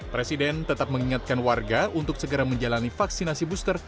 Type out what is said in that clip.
presiden tetap mengingatkan warga untuk segera menjalani vaksinasi booster